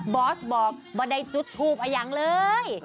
บอสบอกว่าได้จุดถูกอ่ะอย่างเลย